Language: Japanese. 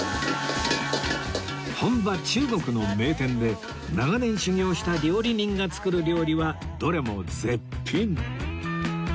本場中国の名店で長年修業した料理人が作る料理はどれも絶品